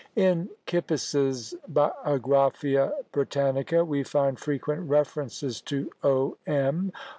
In Kippis's Biographia Britannica we find frequent references to O. M.